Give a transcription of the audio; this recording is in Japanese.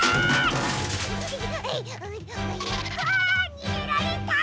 にげられた！